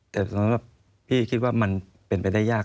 แต่สำหรับพี่คิดว่ามันเป็นไปได้ยาก